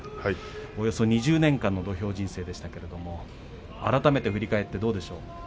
およそ２０年間の土俵人生でしたけれども改めて振り返ってどうでしょう。